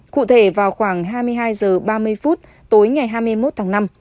cụ thể vào khoảng hai mươi hai h ba mươi phút tối ngày hai mươi một tháng năm